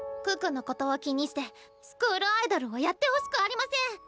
可可のことを気にしてスクールアイドルをやってほしくありません。